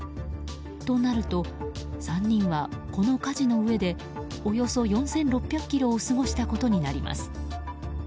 となるとこの舵の上でおよそ４６００ｋｍを過ごしたことになります。